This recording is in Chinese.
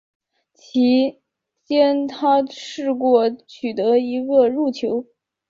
其间他试过取得一个入球。